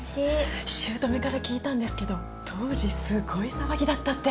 姑から聞いたんですけど当時すごい騒ぎだったって。